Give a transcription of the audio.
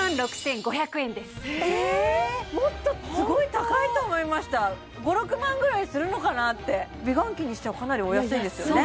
もっとすごい高いと思いました５６万ぐらいするのかなって美顔器にしてはかなりお安いですよね？